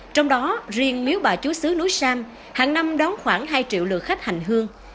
trong đó riêng miếu bà chú sứ núi sam hằng năm đón khoảng hai triệu lượt khách hành hương